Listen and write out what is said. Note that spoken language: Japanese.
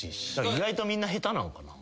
意外とみんな下手なんかな。